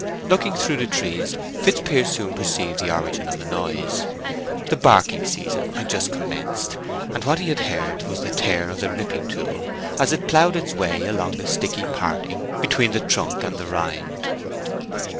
Looking through the trees Fitzpiers soon perceived the origin of the noise. The barking season had just commenced, and what he had heard was the tear of the ripping tool as it ploughed its way along the sticky parting between the trunk and the rind.